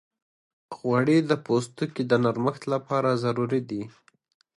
غوړې د پوستکي د نرمښت لپاره ضروري دي.